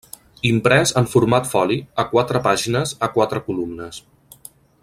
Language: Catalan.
Imprès en format foli, a quatre pàgines a quatre columnes.